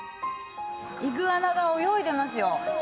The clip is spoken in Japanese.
イグアナが泳いでますよ